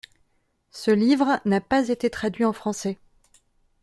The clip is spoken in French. Ce livre n'a pas été traduit en français.